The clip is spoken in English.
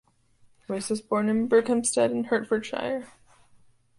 Reiss was born in Berkhamsted in Hertfordshire.